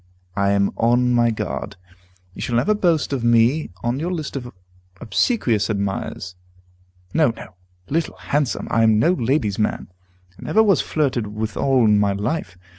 I am on my guard. You shall never boast of me on your list of obsequious admirers. No, no, Little Handsome! I am no lady's man, and never was flirted withal in my life.